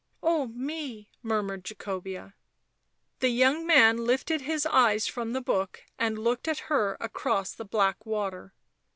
" Oh me !" murmured Jacobea. The young man lifted his eyes from the book and looked at her across the black water.